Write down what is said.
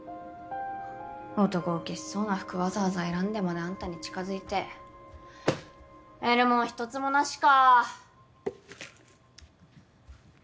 男ウケしそうな服わざわざ選んでまであんたに近づいて得るもん一つもなしか。